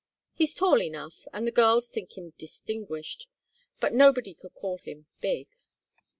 He's tall enough, and the girls think him 'distinguished,' but nobody could call him big.